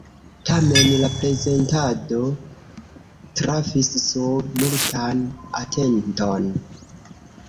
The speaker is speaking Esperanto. Tamen la prezentado trafis sur multan atenton.